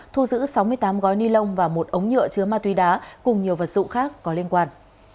thu giữ sáu mươi tám gói ni lông và một ống nhựa chứa ma túy đá cùng nhiều vật dụng khác có liên quan